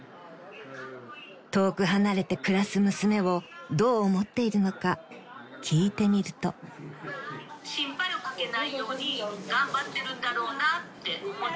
［遠く離れて暮らす娘をどう思っているのか聞いてみると］だけど。